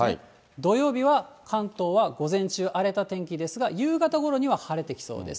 土曜日は関東は午前中、荒れた天気ですが、夕方ごろには晴れてきそうです。